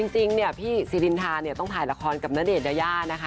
จริงพี่สิรินทาต้องถ่ายละครกับณเดชน์ยานะคะ